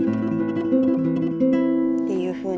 っていうふうに。